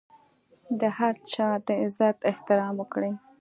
د هر چا د عزت احترام وکړئ.